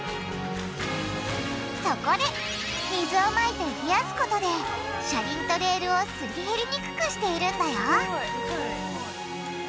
そこで水をまいて冷やすことで車輪とレールをすり減りにくくしているんだよ